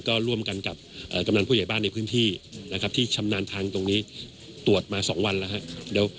ก็ร่วมกันกับกำนันผู้ใหญ่บ้านในพื้นที่นะครับที่ชำนาญทางตรงนี้ตรวจมา๒วันแล้วครับ